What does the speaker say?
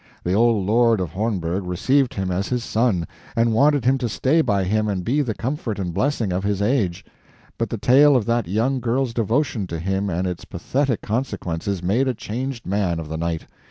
The old lord of Hornberg received him as his son, and wanted him to stay by him and be the comfort and blessing of his age; but the tale of that young girl's devotion to him and its pathetic consequences made a changed man of the knight.